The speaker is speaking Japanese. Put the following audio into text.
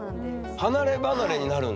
離れ離れになるんだ。